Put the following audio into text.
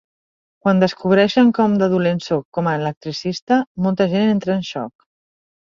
Quan descobreixen com de dolent sóc com a electricista, molta gent entra en xoc.